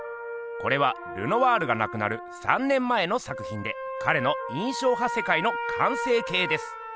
これはルノワールがなくなる３年前の作ひんでかれの印象派世界の完成形です。